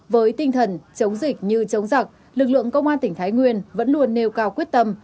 với tinh thần chống dịch như chống giặc lực lượng công an tỉnh thái nguyên vẫn luôn nêu cao quyết tâm